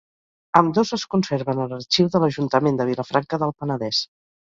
Ambdós es conserven a l'arxiu de l'Ajuntament de Vilafranca del Penedès.